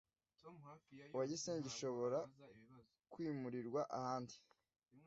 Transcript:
wa gisenyi gishobora kwimurirwa ahandi